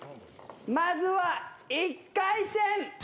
まずは１回戦。